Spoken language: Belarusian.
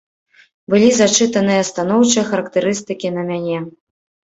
Былі зачытаныя станоўчыя характарыстыкі на мяне.